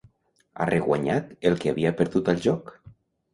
Ha reguanyat el que havia perdut al joc.